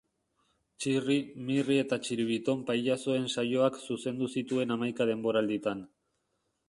Txirri, Mirri eta Txiribiton pailazoen saioak zuzendu zituen hamaika denboralditan.